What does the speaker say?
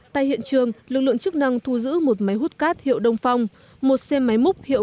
tại hiện trường lực lượng chức năng thu giữ một máy hút cát hiệu đông phong một xe máy múc hiệu